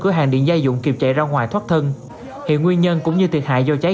cửa hàng điện gia dụng kịp chạy ra ngoài thoát thân hiện nguyên nhân cũng như thiệt hại do cháy